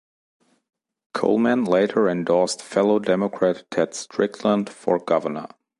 Coleman later endorsed fellow Democrat Ted Strickland for governor.